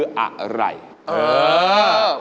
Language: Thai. ถามพี่ปีเตอร์